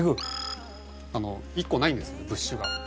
１個ないんですブッシュが。